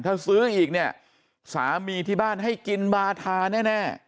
ถ้าซื้ออีกเนี่ยสามีที่บ้านให้กินบาธาแน่